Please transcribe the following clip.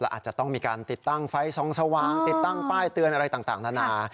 อาจจะต้องมีการติดตั้งไฟส่องสว่างติดตั้งป้ายเตือนอะไรต่างนานา